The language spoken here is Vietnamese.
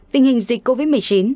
tình hình dịch covid một mươi chín